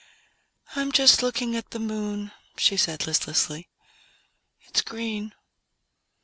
_ "I'm just looking at the Moon," she said listlessly. "It's green."